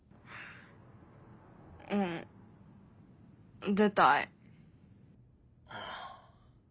うん出たい。